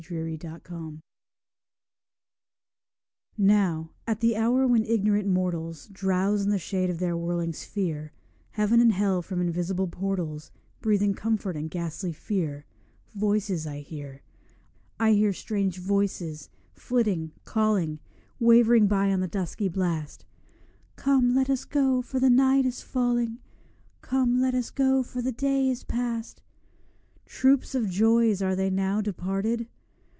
TWILIGHT VOICES Now, at the hour when ignorant mortals Drowse in the shade of their whirling sphere, Heaven and Hell from invisible portals Breathing comfort and ghastly fear, Voices I hear; I hear strange voices, flitting, calling, Wavering by on the dusky blast, 'Come, let us go, for the night is falling; Come, let us go, for the day is past!' Troops of joys are they, now departed?